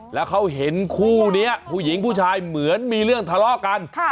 แล้วเขาเห็นคู่นี้ผู้หญิงผู้ชายเหมือนมีเรื่องทะเลาะกัน